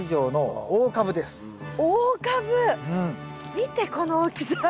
見てこの大きさ。